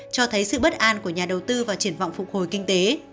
cho thấy sự bất an của nhà đầu tư vào triển vọng phục hồi kinh tế